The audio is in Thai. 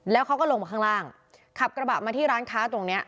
แล้วเขาก็ลงมาข้างล่างขับกระบะมาที่ร้านค้าตรงเนี้ย